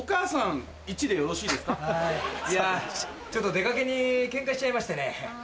ちょっと出がけにケンカしちゃいましてね。